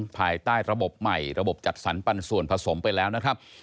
ภายใต้ระบบใหม่ระบบจัดสรรปันส่วนผสมไปแล้วนะครับ